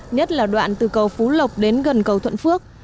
nhất là đoạn từ cầu phú lộc đến gần cầu thuận phước